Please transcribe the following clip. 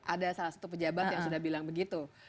ada salah satu pejabat yang sudah bilang begitu